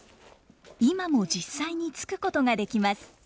今も実際に撞くことができます。